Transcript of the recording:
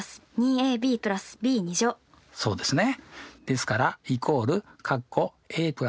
そうですね。